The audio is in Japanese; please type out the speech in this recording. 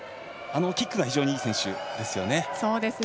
キックが非常にいい選手ですね。